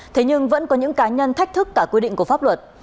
thế nhưng vẫn có những cá nhân thách thức cả quy định của pháp luật